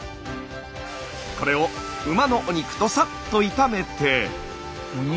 これを馬のお肉とサッと炒めて。